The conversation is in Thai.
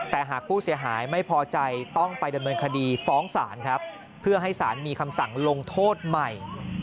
แต่หากผู้เสียหายไม่พอใจต้องไปดำเนินคดีฟ้องศาลครับเพื่อให้สารมีคำสั่งลงโทษใหม่